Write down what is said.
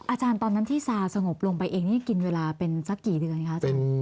อาจารย์ตอนนั้นที่ซาสงบลงไปเองนี่กินเวลาเป็นสักกี่เดือนคะอาจารย์